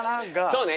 そうね。